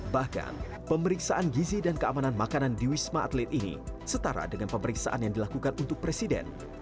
bahkan pemeriksaan gizi dan keamanan makanan di wisma atlet ini setara dengan pemeriksaan yang dilakukan untuk presiden